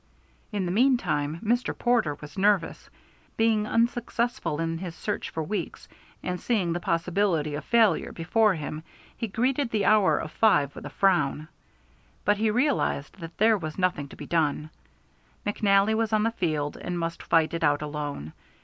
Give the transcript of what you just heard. In the meantime Mr. Porter was nervous. Being unsuccessful in his search for Weeks, and seeing the possibility of failure before him, he greeted the hour of five with a frown; but he realized that there was nothing to be done. McNally was on the field and must fight it out alone.